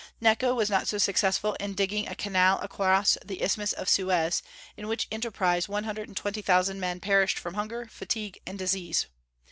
Necho was not so successful in digging a canal across the Isthmus of Suez, in which enterprise one hundred and twenty thousand men perished from hunger, fatigue, and disease.